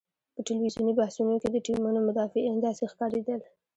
په ټلویزیوني بحثونو کې د ټیمونو مدافعین داسې ښکارېدل.